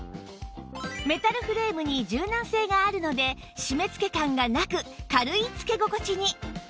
メタルフレームに柔軟性があるので締め付け感がなく軽い着け心地に